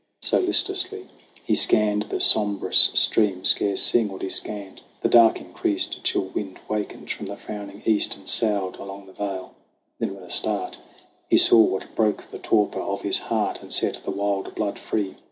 So listlessly he scanned the sombrous stream, Scarce seeing what he scanned. The dark in . creased ; A chill wind wakened from the frowning east And soughed along the vale. Then with a start He saw what broke the torpor of his heart And set the wild blood free.